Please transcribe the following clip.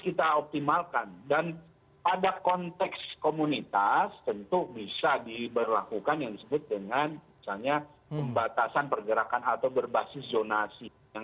kita optimalkan dan pada konteks komunitas tentu bisa diberlakukan yang disebut dengan misalnya pembatasan pergerakan atau berbasis zonasi yang